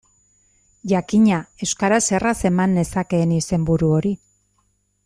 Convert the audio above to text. Jakina, euskaraz erraz eman nezakeen izenburu hori.